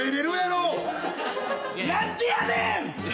何でやねん！